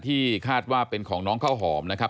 ที่คาดว่าเป็นของน้องข้าวหอมนะครับ